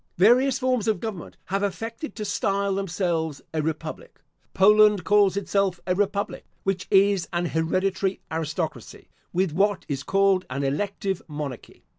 Various forms of government have affected to style themselves a republic. Poland calls itself a republic, which is an hereditary aristocracy, with what is called an elective monarchy.